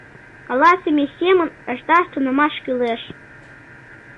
Каласыме семын ышташ тунемаш кӱлеш